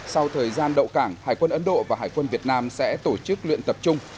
sau thời gian đậu cảng hải quân ấn độ và hải quân việt nam sẽ tổ chức luyện tập trung